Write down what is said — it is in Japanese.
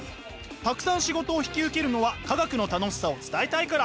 たくさん仕事を引き受けるのは化学の楽しさを伝えたいから。